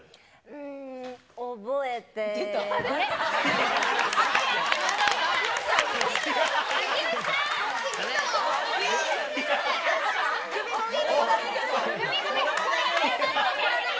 うーん、覚えてる。